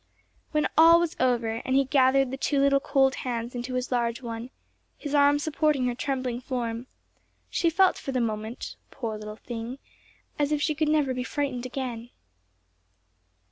When all was over, and he gathered the two little cold hands into his large one, his arm supporting her trembling form, she felt for the moment, poor little thing, as if she could never be frightened again.